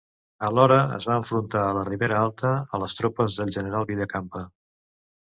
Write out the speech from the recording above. Alhora, es va enfrontar a la Ribera Alta a les tropes del general Villacampa.